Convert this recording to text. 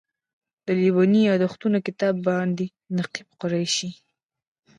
د لېوني یادښتونو کتاب باندې نقیب قریشي.